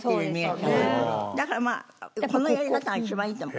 だからまあこのやり方が一番いいと思う。